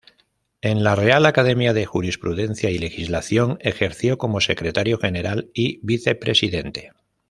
En la Real Academia de Jurisprudencia y Legislación, ejerció como secretario general y vicepresidente.